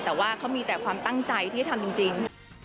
แต่ว่าเขามีแต่ความตั้งใจที่ทำจริง